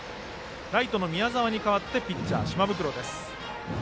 ライトの宮澤に代わってピッチャー、島袋です。